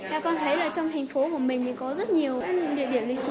theo con thấy là trong thành phố của mình thì có rất nhiều địa điểm lịch sử thú vị